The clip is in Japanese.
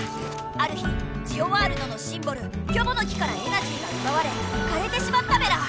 ある日ジオワールドのシンボルキョボの木からエナジーがうばわれかれてしまったメラ。